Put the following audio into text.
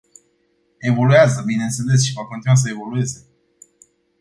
Evoluează, bineînțeles, și va continua să evolueze.